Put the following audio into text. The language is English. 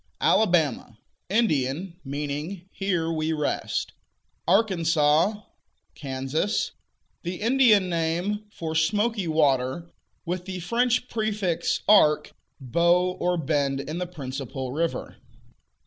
Alabama Indian; meaning "Here we rest." Arkansas" Kansas," the Indian name for "smoky water," with the French prefix "arc," bow or bend in the principal river.